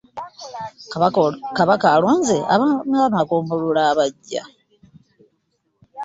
Kabaka alonze abaami b'amagombolola abaggya.